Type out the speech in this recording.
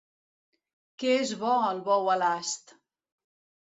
Que és bo el bou a l'ast!